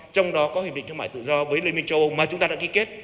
trong đó có hiệp định thương mại tự do với liên minh châu âu mà chúng ta đã ký kết